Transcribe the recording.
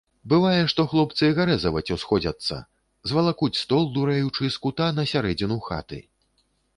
Бывае, што хлопцы гарэзаваць усходзяцца, звалакуць стол, дурэючы, з кута на сярэдзіну хаты.